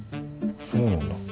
そうなんだ。